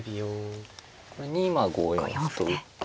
これに今５四歩と打って。